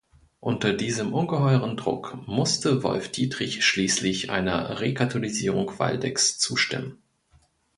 Unter diesem ungeheuren Druck musste Wolf Dietrich schließlich einer Rekatholisierung Waldecks zustimmen.